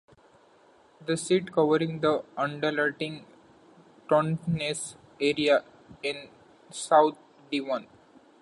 The seat covering the undulating Totnes area in south Devon.